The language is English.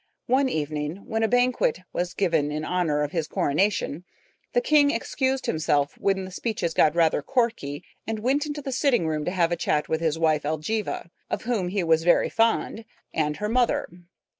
One evening, when a banquet was given him in honor of his coronation, the king excused himself when the speeches got rather corky, and went into the sitting room to have a chat with his wife, Elgiva, of whom he was very fond, and her mother.